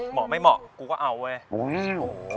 เหมาะไม่เหมาะกูก็เอาเว้ย